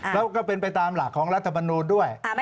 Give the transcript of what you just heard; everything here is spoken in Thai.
แล้วก็เป็นไปตามหลักของรัฐมนูลด้วย